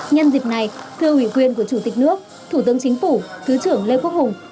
nhân dịp này thưa ủy quyền của chủ tịch nước thủ tướng chính phủ thứ trưởng lê quốc hùng